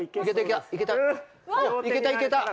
いけたいけた。